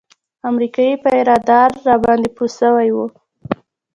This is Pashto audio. امريکايي پيره دار راباندې پوه سوى و.